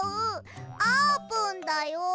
あーぷんだよ！